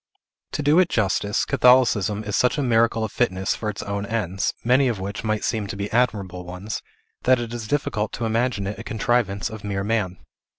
To do it justice, Catholicism is such a miracle of fitness for its own ends, many of which might seem to be admirable ones, that it is difficult to imagine it a contrivance of mere man.